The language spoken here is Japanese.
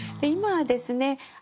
今はですね